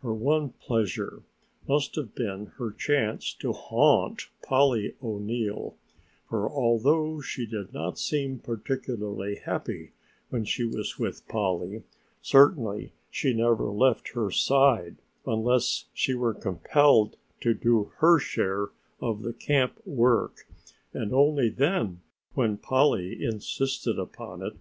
Her one pleasure must have been her chance to haunt Polly O'Neill, for although she did not seem particularly happy when she was with Polly, certainly she never left her side unless she were compelled to do her share of the camp work and only then when Polly insisted upon it.